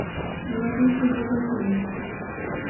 یوه داسې لوبه جوړه شي.